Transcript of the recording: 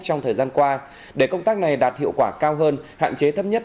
trong thời gian qua để công tác này đạt hiệu quả cao hơn hạn chế thấp nhất